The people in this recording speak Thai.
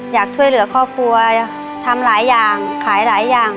อยากช่วยเหลือครอบครัวทำหลายอย่างขายหลายอย่าง